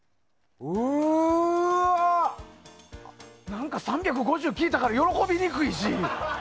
何か、３５０聞いたから喜びにくいし。